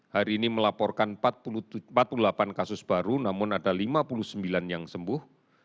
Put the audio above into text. hari ini melaporkan empat puluh delapan kasus baru namun ada lima puluh sembilan yang sembuh